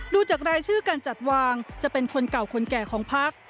ดูจากรายชื่อการจัดวางจะเป็นคนเก่าคนแก่ของพัก